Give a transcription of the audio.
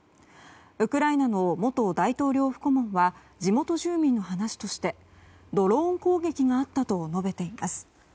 ウクライナの元大統領府顧問は地元住民の話としてドローン攻撃があったと述べています。